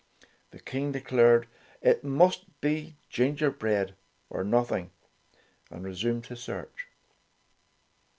The King declared it must be ginger bread or nothing, and resumed his search.